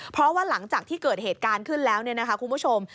เพราะว่าหลังจากที่เกิดเหตุการณ์ขึ้นแล้วเนี่ยนะคะคุณผู้ชม